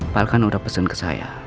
palkan udah pesen ke saya